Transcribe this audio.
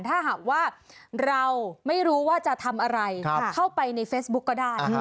ถ้าหากว่าเราไม่รู้ว่าจะทำอะไรเข้าไปในเฟซบุ๊กก็ได้